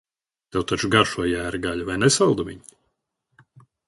Tev taču garšo jēra gaļa, vai ne, saldumiņ?